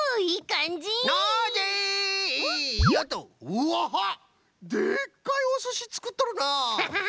うわっでっかいおすしつくっとるな。